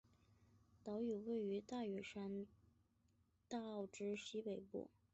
岛屿位于大屿山大澳之西北部。